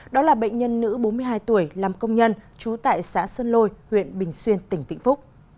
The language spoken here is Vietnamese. đó là bệnh nhân nữ bốn mươi hai tuổi làm công nhân trú tại xã sơn lôi huyện bình xuyên tỉnh vĩnh phúc